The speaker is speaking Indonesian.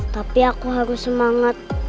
tapi aku harus semangat